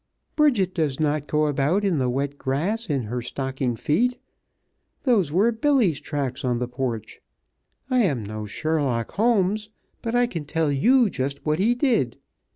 "Bridget does not go about in the wet grass in her stocking feet. Those were Billy's tracks on the porch. I am no Sherlock Holmes, but I can tell you just what he did.